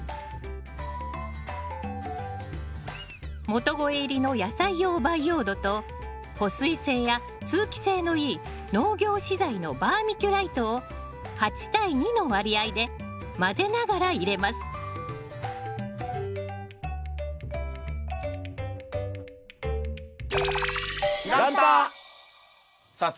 元肥入りの野菜用培養土と保水性や通気性のいい農業資材のバーミキュライトを８対２の割合で混ぜながら入れますさあ